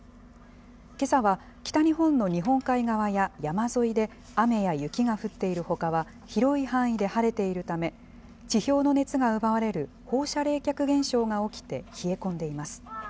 けさは北日本の日本海側や山沿いで雨や雪が降っているほかは、広い範囲で晴れているため、地表の熱が奪われる放射冷却現象が起きて、冷え込んでいます。